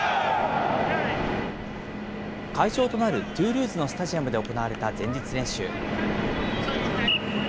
会場となるトゥールーズのスタジアムで行われた前日練習。